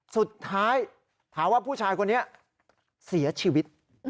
สุดท้ายถามว่าผู้ชายคนนี้เสียชีวิต